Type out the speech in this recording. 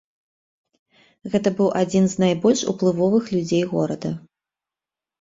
Гэта быў адзін з найбольш уплывовых людзей горада.